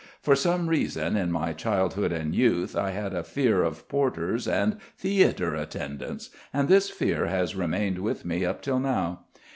For some reason in my childhood and youth I had a fear of porters and theatre attendants, and this fear has remained with me up till now.